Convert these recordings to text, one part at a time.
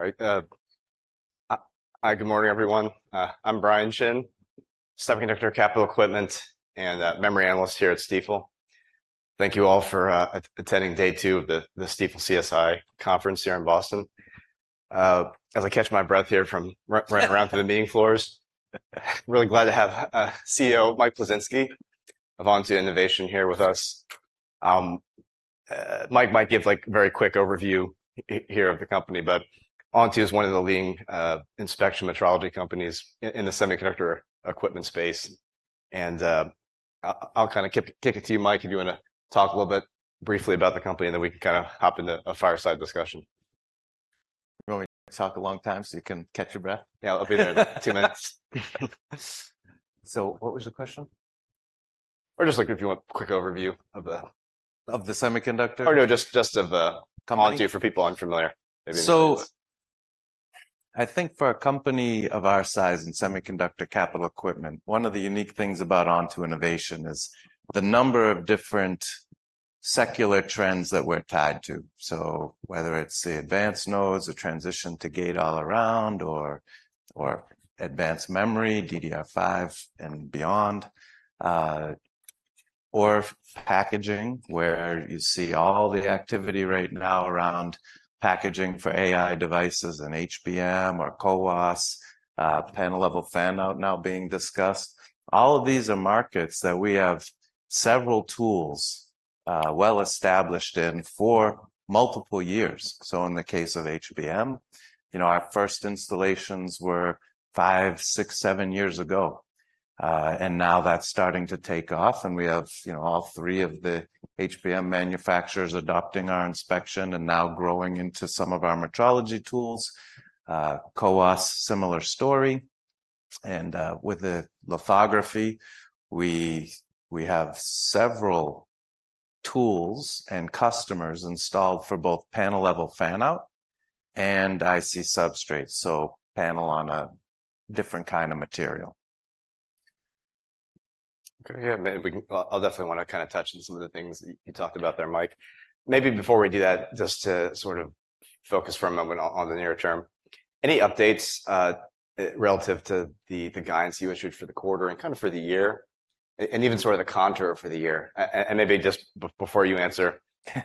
All right, hi, good morning, everyone. I'm Brian Shin, semiconductor capital equipment and memory analyst here at Stifel. Thank you all for attending day two of the Stifel CSI Conference here in Boston. As I catch my breath here from running around the meeting floors, really glad to have CEO Mike Plisinski of Onto Innovation here with us. Mike might give, like, a very quick overview here of the company, but Onto is one of the leading inspection metrology companies in the semiconductor equipment space. I'll kind of kick it to you, Mike, if you want to talk a little bit briefly about the company, and then we can kind of hop into a fireside discussion. You want me to talk a long time so you can catch your breath? Yeah, I'll be there in about two minutes. What was the question? Or just, like, if you want a quick overview of the- Of the semiconductor- Or no, just of— Company Onto, for people unfamiliar, maybe. So I think for a company of our size in semiconductor capital equipment, one of the unique things about Onto Innovation is the number of different secular trends that we're tied to. So whether it's the advanced nodes or transition to Gate-All-Around, or advanced memory, DDR5 and beyond, or packaging, where you see all the activity right now around packaging for AI devices and HBM or CoWoS, panel-level fan-out now being discussed. All of these are markets that we have several tools, well established in for multiple years. So in the case of HBM, you know, our first installations were 5, 6, 7 years ago, and now that's starting to take off, and we have, you know, all three of the HBM manufacturers adopting our inspection and now growing into some of our metrology tools. CoWoS, similar story. With the lithography, we have several tools and customers installed for both panel-level fan-out and IC substrates, so panel on a different kind of material. Okay. Yeah, maybe we can. I'll definitely want to kind of touch on some of the things you talked about there, Mike. Maybe before we do that, just to sort of focus for a moment on the near term, any updates relative to the guidance you issued for the quarter and kind of for the year, and even sort of the contour for the year? And maybe just before you answer,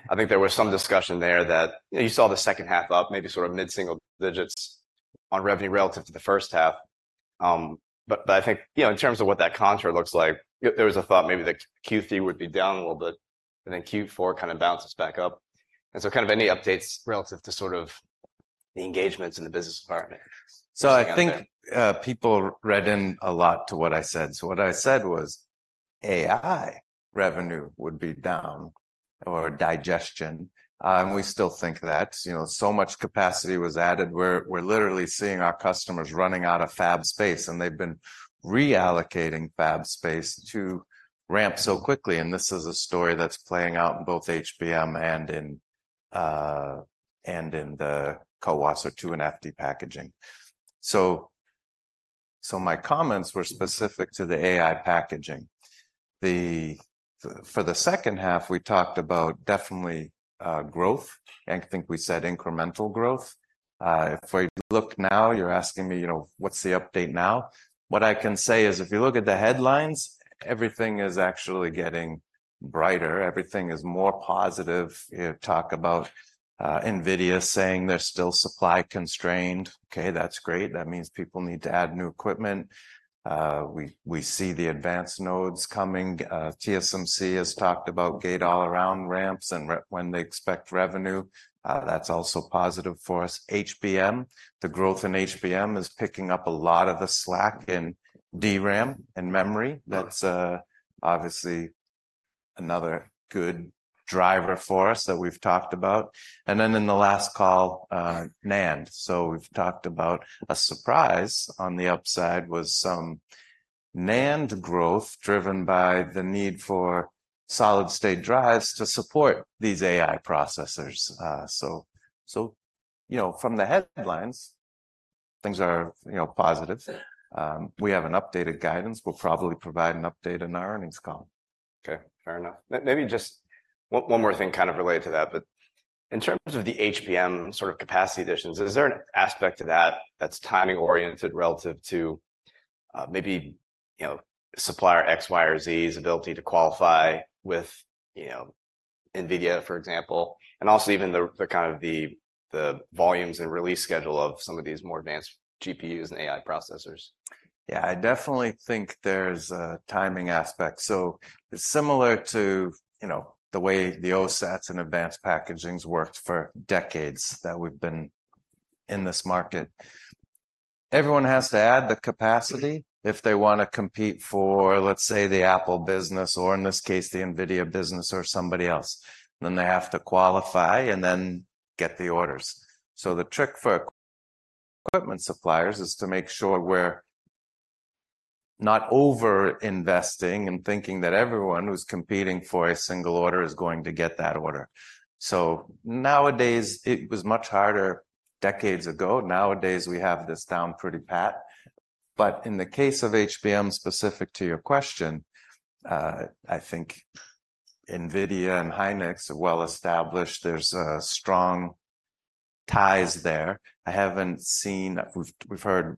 I think there was some discussion there that, you know, you saw the second half up, maybe sort of mid-single digits on revenue relative to the first half. But I think, you know, in terms of what that contour looks like, there was a thought maybe that Q3 would be down a little bit, and then Q4 kind of bounces back up. And so kind of any updates relative to sort of the engagements in the business environment? So I think, people read in a lot to what I said. So what I said was AI revenue would be down, or digestion, and we still think that. You know, so much capacity was added, we're literally seeing our customers running out of fab space, and they've been reallocating fab space to ramp so quickly, and this is a story that's playing out in both HBM and in, and in the CoWoS or 2.5D packaging. So, so my comments were specific to the AI packaging. The, for the second half, we talked about definitely, growth, I think we said incremental growth. If we look now, you're asking me, you know, what's the update now? What I can say is, if you look at the headlines, everything is actually getting brighter, everything is more positive. You talk about NVIDIA saying they're still supply constrained. Okay, that's great, that means people need to add new equipment. We see the advanced nodes coming. TSMC has talked about Gate-All-Around ramps and when they expect revenue. That's also positive for us. HBM, the growth in HBM is picking up a lot of the slack in DRAM and memory. That's obviously another good driver for us that we've talked about. And then in the last call, NAND. So we've talked about a surprise on the upside was some NAND growth, driven by the need for solid-state drives to support these AI processors. So, so, you know, from the headlines, things are, you know, positive. We have an updated guidance. We'll probably provide an update in our Earnings Call. Okay, fair enough. Maybe just one, one more thing kind of related to that, but in terms of the HBM sort of capacity additions, is there an aspect to that that's timing-oriented relative to, maybe, you know, supplier X, Y, or Z's ability to qualify with, you know, NVIDIA, for example, and also even the kind of the volumes and release schedule of some of these more advanced GPUs and AI processors? Yeah, I definitely think there's a timing aspect. So similar to, you know, the way the OSATs and advanced packagings worked for decades, that we've been in this market. Everyone has to add the capacity if they want to compete for, let's say, the Apple business, or in this case, the NVIDIA business or somebody else. Then they have to qualify and then get the orders. So the trick for equipment suppliers is to make sure we're not over-investing and thinking that everyone who's competing for a single order is going to get that order. So nowadays. It was much harder decades ago. Nowadays, we have this down pretty pat, but in the case of HBM, specific to your question, I think NVIDIA and Hynix are well established. There's strong ties there. I haven't seen—we've heard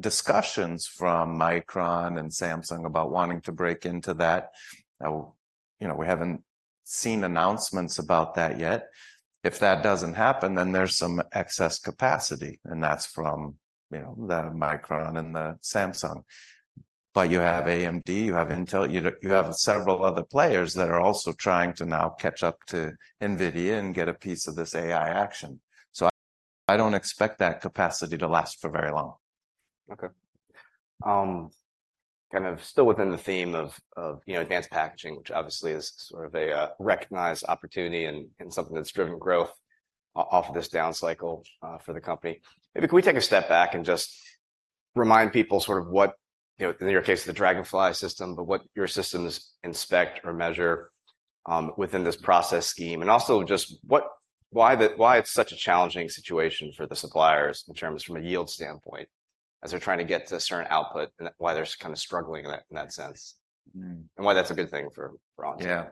discussions from Micron and Samsung about wanting to break into that. You know, we haven't seen announcements about that yet. If that doesn't happen, then there's some excess capacity, and that's from, you know, the Micron and the Samsung. But you have AMD, you have Intel, you have several other players that are also trying to now catch up to NVIDIA and get a piece of this AI action. So I don't expect that capacity to last for very long. Okay. Kind of still within the theme of, you know, advanced packaging, which obviously is sort of a recognized opportunity and something that's driven growth off this down cycle, for the company. Maybe can we take a step back and just remind people sort of what, you know, in your case, the Dragonfly system, but what your systems inspect or measure within this process scheme? And also just what—why the, why it's such a challenging situation for the suppliers in terms from a yield standpoint, as they're trying to get to a certain output, and why they're kind of struggling in that, in that sense, and why that's a good thing for, for us? Yeah.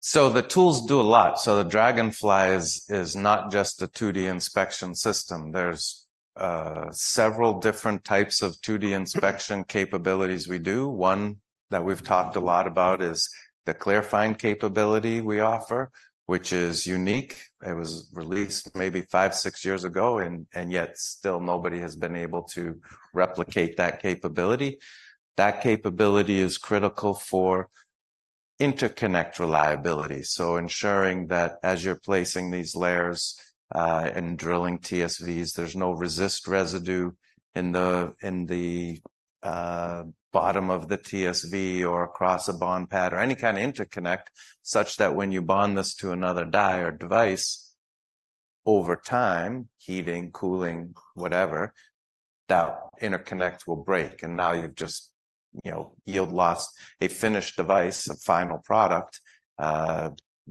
So the tools do a lot. So the Dragonfly is not just a 2D inspection system. There's several different types of 2D inspection capabilities we do. One that we've talked a lot about is the ClearFind capability we offer, which is unique. It was released maybe five, six years ago, and yet still nobody has been able to replicate that capability. That capability is critical for interconnect reliability. So ensuring that as you're placing these layers, and drilling TSVs, there's no resist residue in the bottom of the TSV or across a bond pad or any kind of interconnect, such that when you bond this to another die or device, over time, heating, cooling, whatever, that interconnect will break, and now you've just, you know, yield lost a finished device, a final product,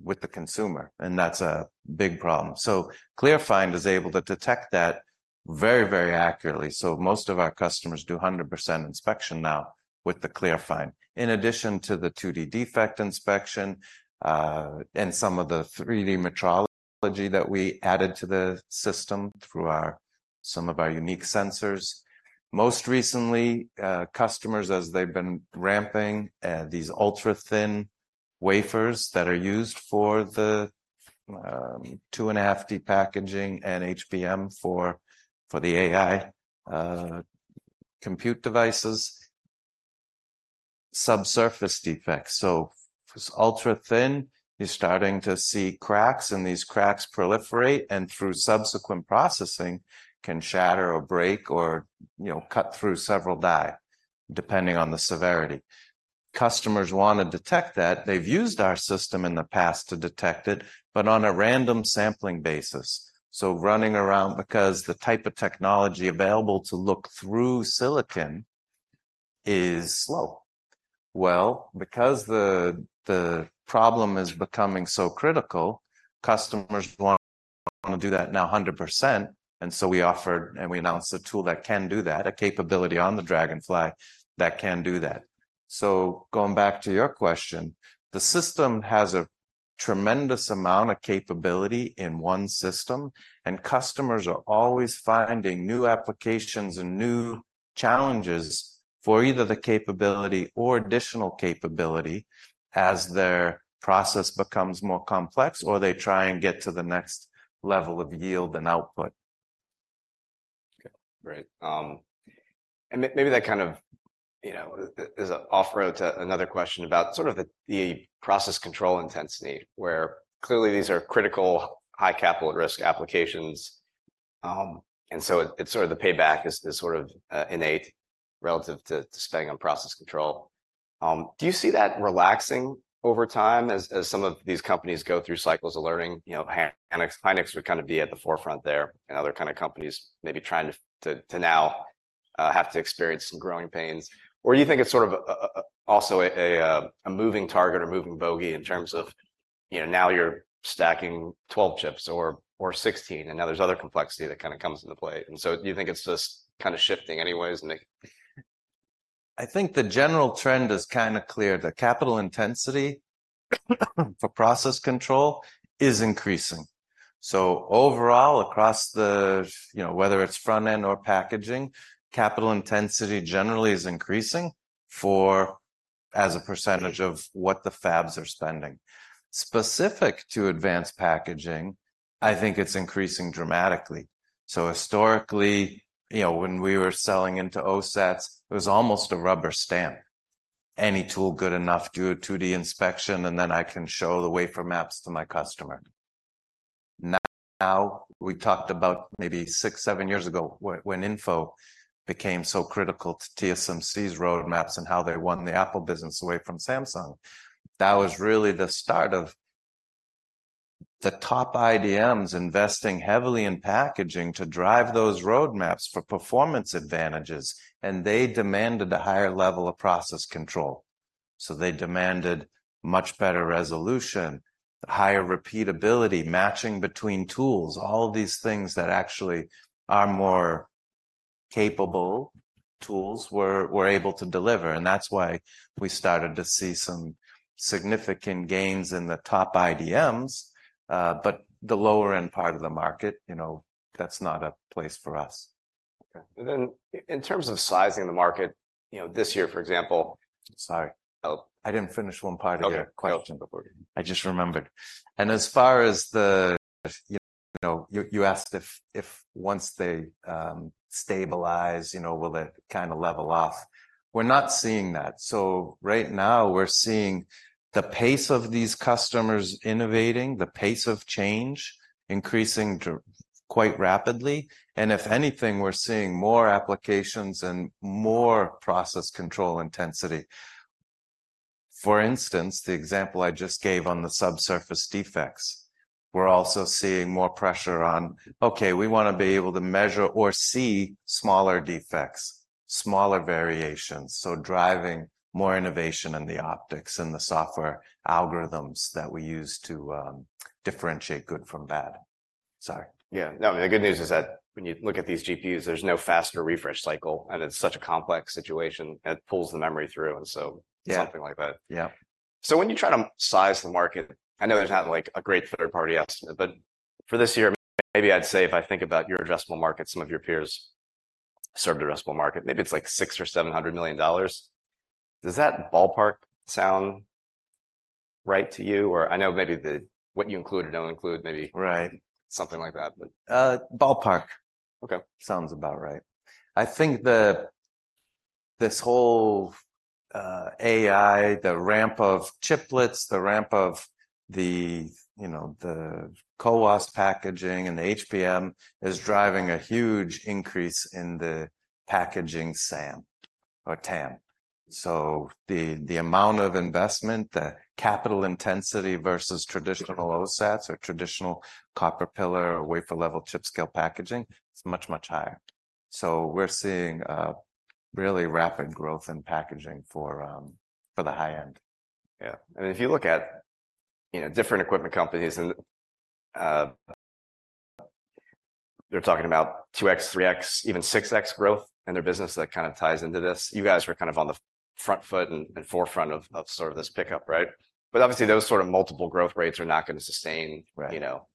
with the consumer, and that's a big problem. So ClearFind is able to detect that very, very accurately. So most of our customers do 100% inspection now with the ClearFind, in addition to the 2D defect inspection, and some of the 3D metrology that we added to the system through our some of our unique sensors. Most recently, customers, as they've been ramping, these ultra-thin wafers that are used for the 2.5D packaging and HBM for the AI compute devices, subsurface defects. So if it's ultra-thin, you're starting to see cracks, and these cracks proliferate, and through subsequent processing, can shatter or break or, you know, cut through several die, depending on the severity. Customers want to detect that. They've used our system in the past to detect it, but on a random sampling basis. So running around because the type of technology available to look through silicon is slow. Well, because the problem is becoming so critical, customers want to do that now 100%, and so we offered, and we announced a tool that can do that, a capability on the Dragonfly that can do that. Going back to your question, the system has a tremendous amount of capability in one system, and customers are always finding new applications and new challenges for either the capability or additional capability as their process becomes more complex, or they try and get to the next level of yield and output. Okay, great. And maybe that kind of, you know, is an off-ramp to another question about sort of the process control intensity, where clearly these are critical, high capital at risk applications. And so it, it's sort of the payback is sort of innate relative to spending on process control. Do you see that relaxing over time as some of these companies go through cycles of learning? You know, Hynix would kind of be at the forefront there, and other companies maybe trying to now have to experience some growing pains. Or do you think it's sort of also a moving target or moving bogey in terms of, you know, now you're stacking 12 chips or 16 chips, and now there's other complexity that kind of comes into play. Do you think it's just kind of shifting anyways, Mike? I think the general trend is kind of clear. The capital intensity for process control is increasing. So overall, across the... You know, whether it's front-end or packaging, capital intensity generally is increasing for as a percentage of what the fabs are spending. Specific to advanced packaging, I think it's increasing dramatically. So historically, you know, when we were selling into OSATs, it was almost a rubber stamp. Any tool good enough, do a 2D inspection, and then I can show the wafer maps to my customer. Now, we talked about maybe 6-7 years ago, when InFO became so critical to TSMC's roadmaps and how they won the Apple business away from Samsung. That was really the start of the top IDMs investing heavily in packaging to drive those roadmaps for performance advantages, and they demanded a higher level of process control. So they demanded much better resolution, higher repeatability, matching between tools, all these things that actually are more capable tools we're able to deliver, and that's why we started to see some significant gains in the top IDMs. But the lower end part of the market, you know, that's not a place for us. Okay. And then in terms of sizing the market, you know, this year, for example- Sorry. Oh. I didn't finish one part of your- Okay question before. I just remembered. As far as the you know, you asked if once they stabilize, you know, will it kind of level off? We're not seeing that. So right now we're seeing the pace of these customers innovating, the pace of change increasing quite rapidly, and if anything, we're seeing more applications and more process control intensity. For instance, the example I just gave on the subsurface defects, we're also seeing more pressure on, "Okay, we wanna be able to measure or see smaller defects, smaller variations," so driving more innovation in the optics and the software algorithms that we use to differentiate good from bad. Sorry. Yeah. No, the good news is that when you look at these GPUs, there's no faster refresh cycle, and it's such a complex situation, it pulls the memory through, and so- Yeah something like that. Yeah. So when you try to size the market, I know there's not, like, a great third-party estimate, but for this year, maybe I'd say if I think about your addressable market, some of your peers' served addressable market, maybe it's like $600 million-$700 million. Does that ballpark sound right to you? Or I know maybe the- what you include or don't include, maybe- Right something like that, but. Uh, ballpark- Okay Sounds about right. I think the- this whole, AI, the ramp of chiplets, the ramp of the, you know, the CoWoS packaging and HBM is driving a huge increase in the packaging SAM or TAM. So the, the amount of investment, the capital intensity versus traditional OSATs or traditional copper pillar or wafer level chip scale packaging, is much, much higher. So we're seeing, really rapid growth in packaging for, for the high end. Yeah, and if you look at, you know, different equipment companies and, they're talking about 2x, 3x, even 6x growth in their business, that kind of ties into this. You guys were kind of on the front foot and forefront of sort of this pickup, right? But obviously, those sort of multiple growth rates are not gonna sustain- Right You know,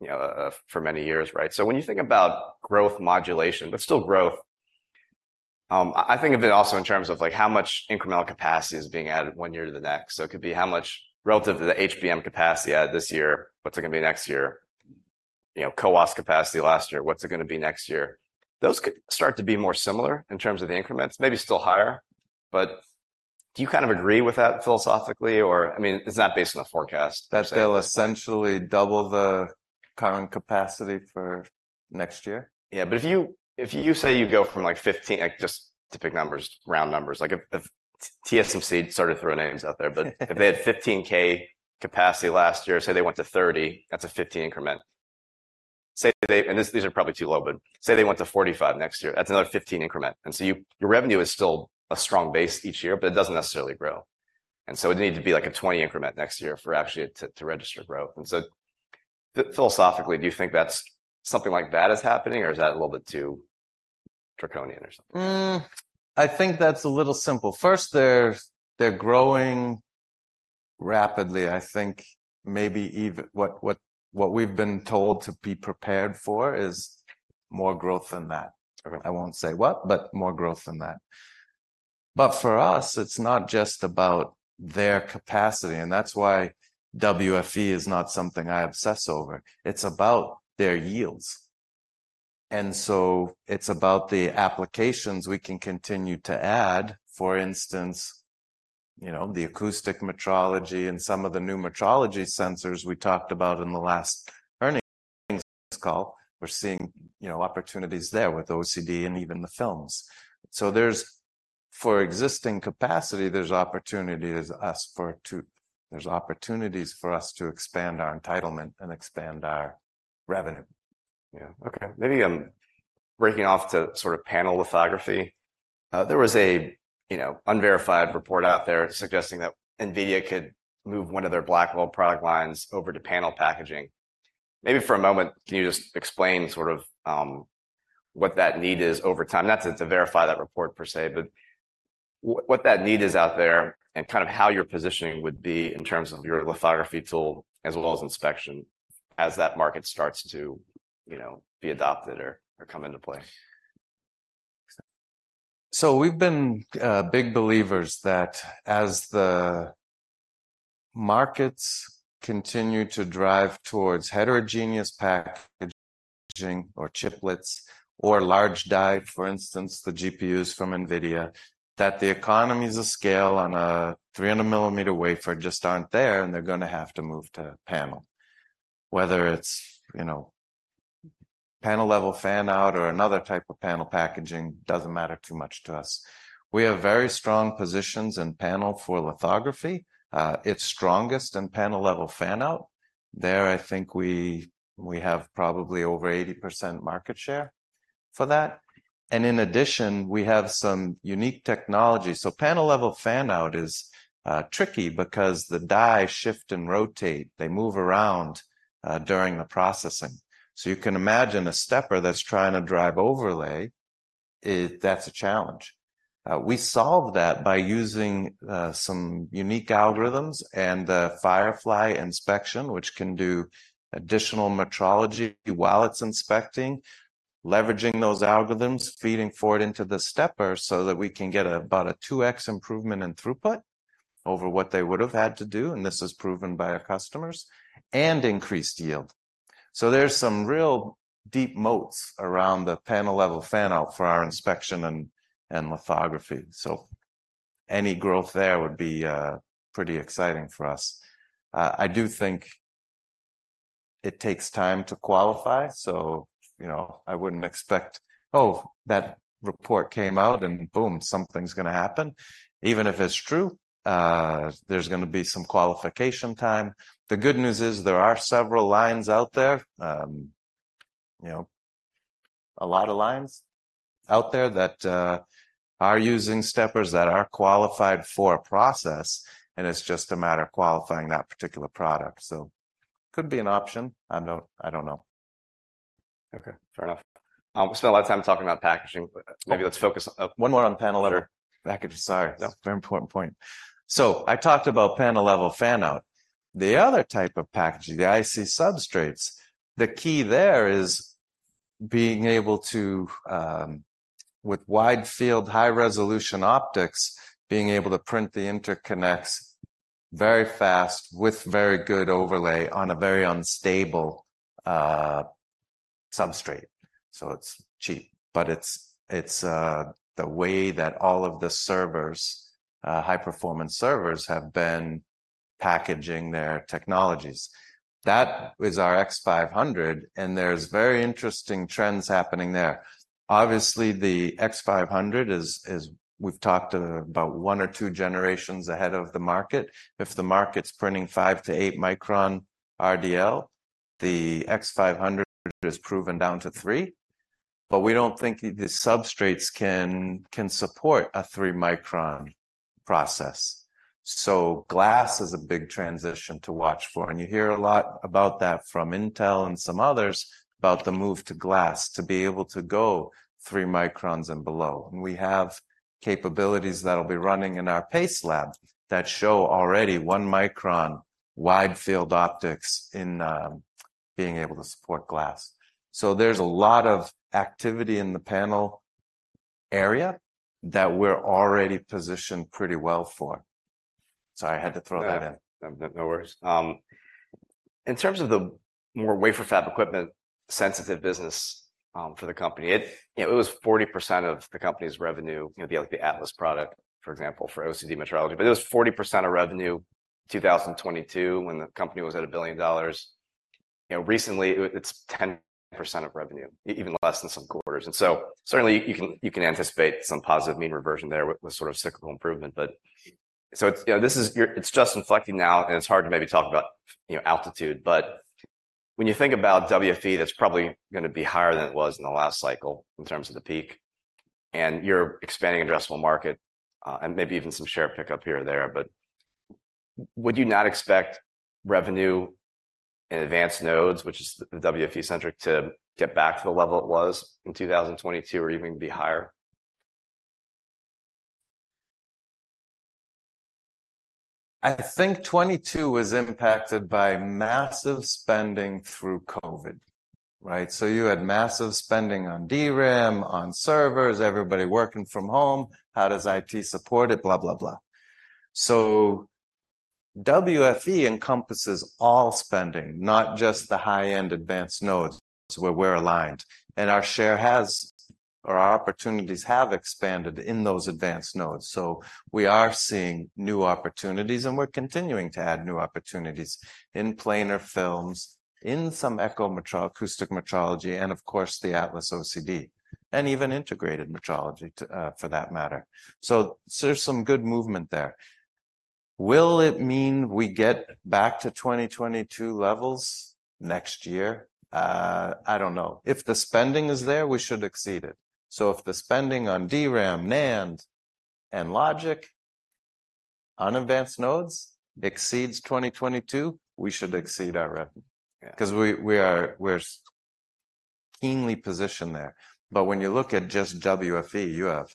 you know, for many years, right? So when you think about growth modulation, but still growth, I think of it also in terms of, like, how much incremental capacity is being added one year to the next. So it could be how much relative to the HBM capacity added this year, what's it gonna be next year? You know, CoWoS capacity last year, what's it gonna be next year? Those could start to be more similar in terms of the increments, maybe still higher, but do you kind of agree with that philosophically or. I mean, it's not based on a forecast. That they'll essentially double the current capacity for next year? Yeah, but if you, if you say you go from, like, 15x, like, just to pick numbers, round numbers, like, if, if TSMC, sorry to throw names out there, but if they had 15K capacity last year, say they went to 30K, that's a 15 increment. Say they and these, these are probably too low, but say they went to 45K next year, that's another 15 increment, and so your revenue is still a strong base each year, but it doesn't necessarily grow. And so it'd need to be, like, a 20 increment next year for actually it to, to register growth. And so philosophically, do you think that's something like that is happening, or is that a little bit too draconian or something? I think that's a little simple. First, they're growing rapidly. I think maybe even... What we've been told to be prepared for is more growth than that. Okay. I won't say what, but more growth than that. But for us, it's not just about their capacity, and that's why WFE is not something I obsess over. It's about their yields, and so it's about the applications we can continue to add, for instance, you know, the acoustic metrology and some of the new metrology sensors we talked about in the last Earnings Call. We're seeing, you know, opportunities there with OCD and even the films. So, for existing capacity, there's opportunities for us to expand our entitlement and expand our revenue. Yeah. Okay, maybe I'm breaking off to sort of panel lithography. There was a, you know, unverified report out there suggesting that NVIDIA could move one of their Blackwell product lines over to panel packaging. Maybe for a moment, can you just explain sort of what that need is over time? Not to verify that report per se, but what that need is out there and kind of how your positioning would be in terms of your lithography tool, as well as inspection, as that market starts to, you know, be adopted or come into play. So we've been big believers that as the markets continue to drive towards heterogeneous packaging or chiplets or large die, for instance, the GPUs from NVIDIA, that the economies of scale on a 300 millimeter wafer just aren't there, and they're gonna have to move to panel. Whether it's, you know, panel level fan-out or another type of panel packaging, doesn't matter too much to us. We have very strong positions in panel for lithography. It's strongest in panel level fan-out. There, I think we have probably over 80% market share for that. And in addition, we have some unique technology. So panel-level fan-out is tricky because the die shift and rotate, they move around during the processing. So you can imagine a stepper that's trying to drive overlay, it, that's a challenge. We solve that by using some unique algorithms and the Firefly inspection, which can do additional metrology while it's inspecting, leveraging those algorithms, feeding forward into the stepper so that we can get about a 2x improvement in throughput over what they would have had to do, and this is proven by our customers, and increased yield. So there's some real deep moats around the panel-level fan-out for our inspection and lithography. So any growth there would be pretty exciting for us. I do think it takes time to qualify, so, you know, I wouldn't expect, "Oh, that report came out, and boom, something's gonna happen." Even if it's true, there's gonna be some qualification time. The good news is there are several lines out there, you know, a lot of lines out there that are using steppers that are qualified for a process, and it's just a matter of qualifying that particular product. So could be an option. I don't, I don't know. Okay, fair enough. We spent a lot of time talking about packaging, but maybe let's focus one more on the panel litho- Packaging. Sorry, very important point. So I talked about panel-level fan-out. The other type of packaging, the IC substrates, the key there is being able to with wide field, high-resolution optics, being able to print the interconnects very fast, with very good overlay on a very unstable substrate. So it's cheap, but it's the way that all of the servers high-performance servers have been packaging their technologies. That is our X500, and there's very interesting trends happening there. Obviously, the X500 is we've talked about one or two generations ahead of the market. If the market's printing 5-8 μm RDL, the X500 is proven down to 3, but we don't think the substrates can support a 3μm process. Glass is a big transition to watch for, and you hear a lot about that from Intel and some others about the move to glass, to be able to go 3μm and below. We have capabilities that'll be running in our PACE Lab that show already 1μm wide field optics in being able to support glass. There's a lot of activity in the panel area that we're already positioned pretty well for. Sorry, I had to throw that in. No worries. In terms of the more wafer fab equipment sensitive business, for the company, it, you know, it was 40% of the company's revenue, you know, like the Atlas product, for example, for OCD metrology, but it was 40% of revenue, 2022, when the company was at $1 billion. You know, recently, it's 10% of revenue, even less in some quarters. And so certainly, you can anticipate some positive mean reversion there with sort of cyclical improvement. But so, you know, this is. It's just inflecting now, and it's hard to maybe talk about, you know, altitude, but when you think about WFE, that's probably gonna be higher than it was in the last cycle in terms of the peak, and you're expanding addressable market, and maybe even some share pickup here or there. Would you not expect revenue in advanced nodes, which is WFE-centric, to get back to the level it was in 2022 or even be higher? I think 2022 was impacted by massive spending through COVID, right? So you had massive spending on DRAM, on servers, everybody working from home. How does IT support it? Blah, blah, blah. So WFE encompasses all spending, not just the high-end advanced nodes where we're aligned, and our share has or our opportunities have expanded in those advanced nodes. So we are seeing new opportunities, and we're continuing to add new opportunities in planar films, in some acoustic metrology, and of course, the Atlas OCD, and even integrated metrology to, for that matter. So there's some good movement there. Will it mean we get back to 2022 levels next year? I don't know. If the spending is there, we should exceed it. So if the spending on DRAM, NAND, and logic on advanced nodes exceeds 2022, we should exceed our revenue- Yeah 'cause we are, we're keenly positioned there. But when you look at just WFE, you have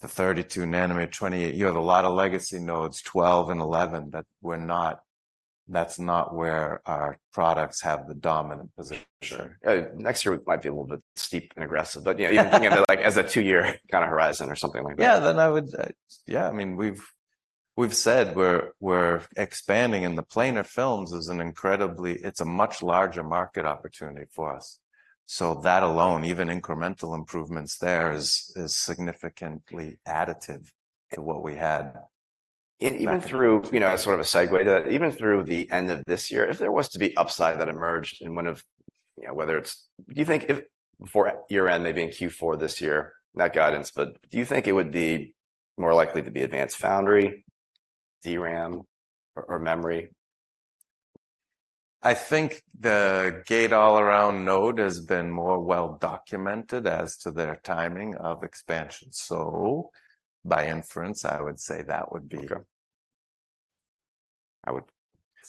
the 32 nm, 20 nm You have a lot of legacy nodes, 12 nm and 11 nm, that we're not – that's not where our products have the dominant position. Sure. Next year, it might be a little bit steep and aggressive, but, yeah, even thinking of it, like, as a two-year kinda horizon or something like that. Yeah. Then I would. Yeah, I mean, we've, we've said we're, we're expanding, and the planar films is an incredibly—it's a much larger market opportunity for us. So that alone, even incremental improvements there, is, is significantly additive to what we had. Even through, you know, as sort of a segue to that, even through the end of this year, if there was to be upside that emerged in one of, you know, whether it's—do you think if before year-end, maybe in Q4 this year, not guidance, but do you think it would be more likely to be advanced foundry, DRAM or, or memory? I think the Gate-All-Around node has been more well-documented as to their timing of expansion. So by inference, I would say that would be- Okay.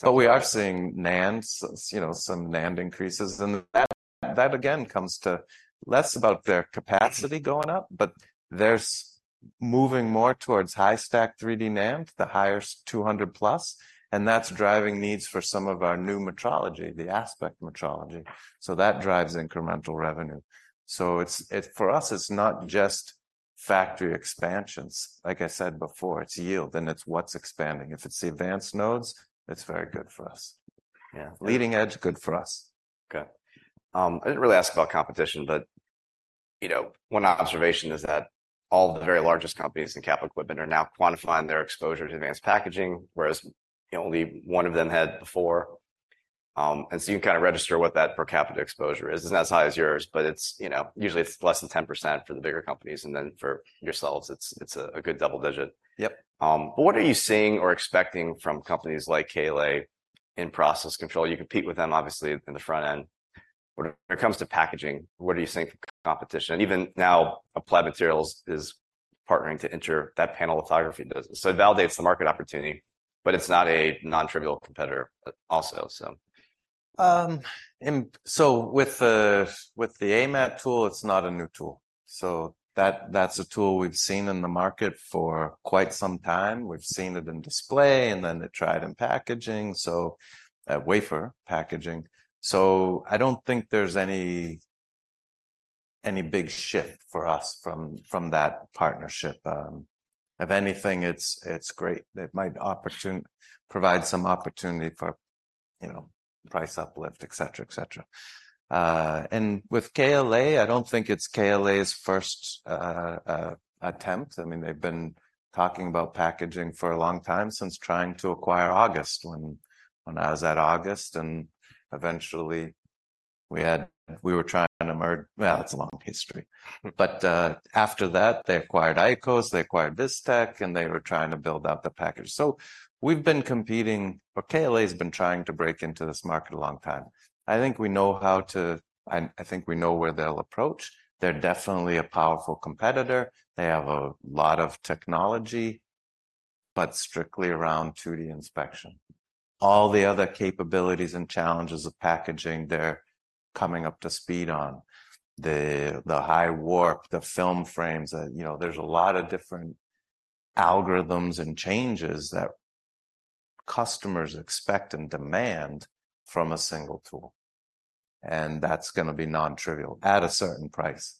But we are seeing NANDs, you know, some NAND increases, and that again comes to less about their capacity going up, but there's moving more towards high-stack 3D NAND, the higher 200+, and that's driving needs for some of our new metrology, the acoustic metrology. So that drives incremental revenue. So it's for us, it's not just factory expansions. Like I said before, it's yield, and it's what's expanding. If it's the advanced nodes, it's very good for us. Yeah. Leading edge, good for us. Okay. I didn't really ask about competition, but, you know, one observation is that all the very largest companies in capital equipment are now quantifying their exposure to advanced packaging, whereas, you know, only one of them had before. And so you can kind of register what that per capita exposure is. It's not as high as yours, but it's, you know, usually it's less than 10% for the bigger companies, and then for yourselves, it's, it's a, a good double digit. Yep. But what are you seeing or expecting from companies like KLA in process control? You compete with them, obviously, in the front end. When it comes to packaging, what do you think of competition? Even now, Applied Materials is partnering to enter that panel lithography business. So it validates the market opportunity, but it's not a non-trivial competitor, but also, so. And so with the AMAT tool, it's not a new tool. So that's a tool we've seen in the market for quite some time. We've seen it in display, and then they tried in packaging, so wafer packaging. So I don't think there's any big shift for us from that partnership. If anything, it's great. It might provide some opportunity for, you know, price uplift, et cetera, et cetera. And with KLA, I don't think it's KLA's first attempt. I mean, they've been talking about packaging for a long time, since trying to acquire August, when I was at August, and eventually, we were trying to merge. Well, it's a long history. But after that, they acquired ICOS, they acquired Vistec, and they were trying to build out the package. So we've been competing, or KLA has been trying to break into this market a long time. I think we know how to—I, I think we know where they'll approach. They're definitely a powerful competitor. They have a lot of technology, but strictly around 2D inspection. All the other capabilities and challenges of packaging, they're coming up to speed on the, the high warp, the film frames that, you know, there's a lot of different algorithms and changes that customers expect and demand from a single tool, and that's gonna be non-trivial at a certain price.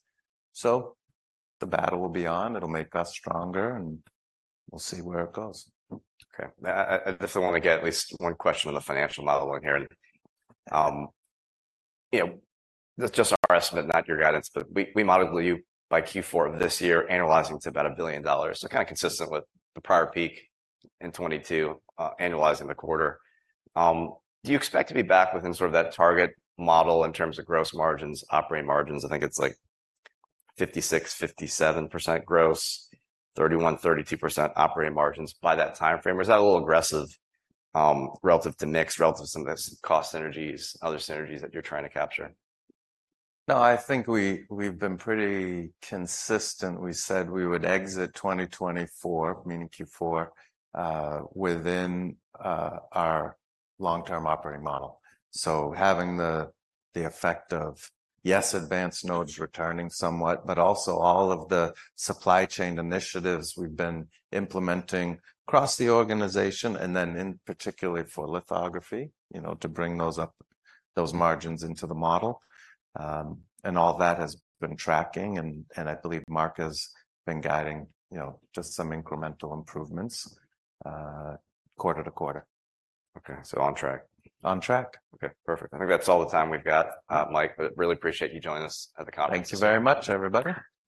So the battle will be on, it'll make us stronger, and we'll see where it goes. Okay. I definitely want to get at least one question on the financial model in here. And, you know, this just our estimate, not your guidance, but we, we modeled you by Q4 of this year, annualizing to about $1 billion. So kind of consistent with the prior peak in 2022, annualizing the quarter. Do you expect to be back within sort of that target model in terms of gross margins, operating margins? I think it's like 56%-57% gross, 31%-32% operating margins by that timeframe. Or is that a little aggressive, relative to NICS, relative to some of the cost synergies, other synergies that you're trying to capture? No, I think we've been pretty consistent. We said we would exit 2024, meaning Q4, within our long-term operating model. So having the effect of, yes, advanced nodes returning somewhat, but also all of the supply chain initiatives we've been implementing across the organization, and then in particular for lithography, you know, to bring those up, those margins into the model. And all that has been tracking, and I believe Mark has been guiding, you know, just some incremental improvements, quarter to quarter. Okay. So, on track? On track. Okay, perfect. I think that's all the time we've got, Mike, but really appreciate you joining us at the conference. Thank you very much, everybody. Yeah.